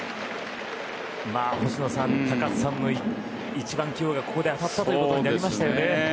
星野さん高津さんの１番起用が当たったということになりましたね。